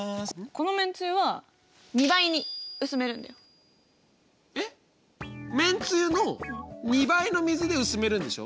このめんつゆはえっめんつゆの２倍の水で薄めるんでしょ。